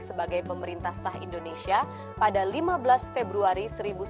sebagai pemerintah sah indonesia pada lima belas februari seribu sembilan ratus empat puluh